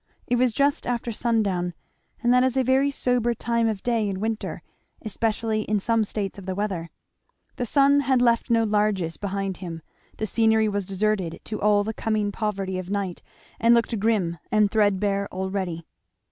It was just after sundown, and that is a very sober time of day in winter, especially in some states of the weather. The sun had left no largesses behind him; the scenery was deserted to all the coming poverty of night and looked grim and threadbare already.